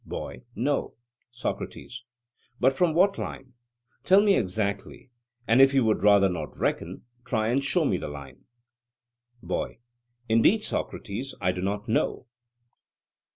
BOY: No. SOCRATES: But from what line? tell me exactly; and if you would rather not reckon, try and show me the line. BOY: Indeed, Socrates, I do not know.